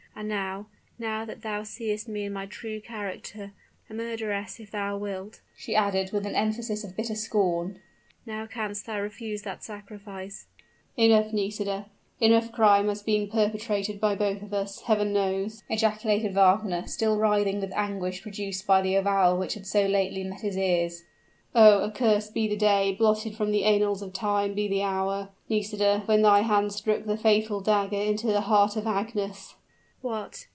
And now, now that thou seest me in my true character, a murderess if thou wilt," she added with an emphasis of bitter scorn, "now canst thou refuse that sacrifice " "Nisida! Nisida! enough crime has been perpetrated by both us, Heaven knows!" ejaculated Wagner, still writhing with the anguish produced by the avowal which had so lately met his ears. "Oh! accursed be the day, blotted from the annals of Time be the hour, Nisida, when thy hand struck the fatal dagger into the heart of Agnes." "What!